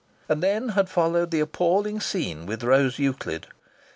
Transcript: And then had followed the appalling scene with Rose Euclid.